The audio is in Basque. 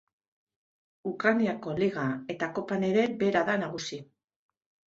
Ukrainako Liga eta Kopan ere bera da nagusi.